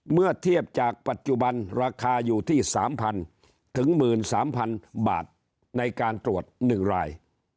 เมื่อเทียบจากปัจจุบันราคาอยู่ที่๓๐๐๐ถึง๑๓๐๐๐บาทในการตรวจ๑ราย